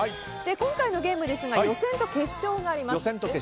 今回のゲームですが予選と決勝があります。